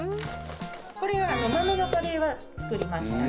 これ豆のカレーは作りました。